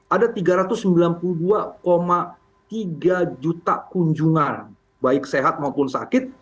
ada tiga ratus sembilan puluh dua tiga juta kunjungan baik sehat maupun sakit